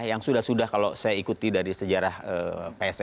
yang sudah sudah kalau saya ikuti dari sejarah pssi